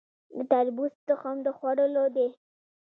د تربوز تخم د خوړلو دی؟